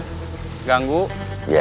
orang orang di parkiran